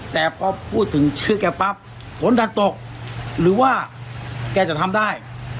แต่พอพูดถึงชื่อแกปั๊บฝนดันตกหรือว่าแกจะทำได้